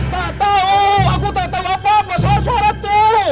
tak tahu aku tak tahu apa apa soal suara tuh